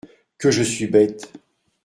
Que je suis bête !…